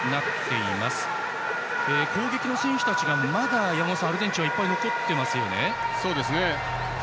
山本さん、攻撃の選手たちがまだアルゼンチンはいっぱい残っていますね。